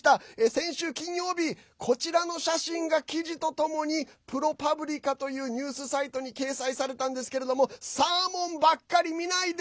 先週金曜日、こちらの写真が記事とともにプロパブリカというニュースサイトに掲載されたんですけれどもサーモンばっかり見ないで！